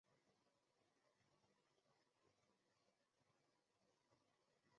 蒋兆鲲之父蒋德璟为拔贡。